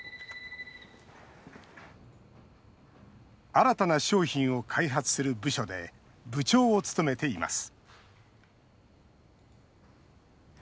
新たな商品を開発する部署で部長を務めています